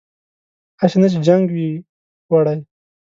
هسې نه چې جنګ وي وړی